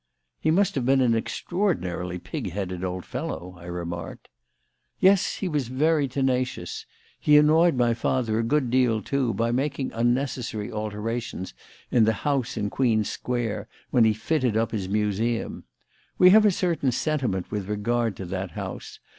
"He must have been an extraordinarily pig headed old fellow," I remarked. "Yes; he was very tenacious. He annoyed my father a good deal, too, by making unnecessary alterations in the house in Queen Square when he fitted up his museum. We have a certain sentiment with regard to that house.